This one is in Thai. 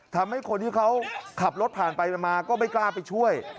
ทำให้คนที่เขาขับรถผ่านไปมาก็ไม่กล้าไปช่วย